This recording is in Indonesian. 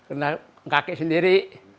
kena kakek sendiri